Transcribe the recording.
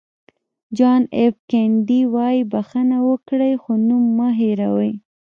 جان اېف کینېډي وایي بښنه وکړئ خو نوم مه هېروئ.